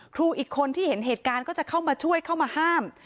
ครูอีกคนที่เห็นเหตุการณ์ก็จะเข้ามาช่วยเข้ามาห้าม